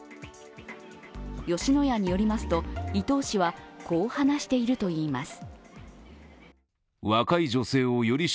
吉野家によりますと、伊東氏はこう話しているといいます。